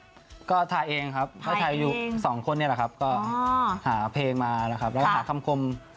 ถือถ่ายเองครับถ่ายอยู่สองคนเนี่ยเหรอครับก็หาเพลงมานะครับหาคำคม